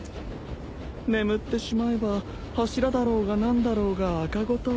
眠ってしまえば柱だろうが何だろうが赤子と同じ。